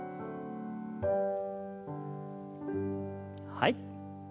はい。